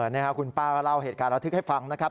นี่ครับคุณป้าก็เล่าเหตุการณ์ระทึกให้ฟังนะครับ